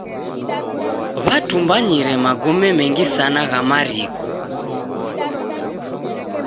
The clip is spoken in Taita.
W'atumbanyire magome mengi sana gha mariko.